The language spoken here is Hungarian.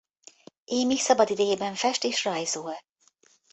Amy szabadidejében fest és rajzol.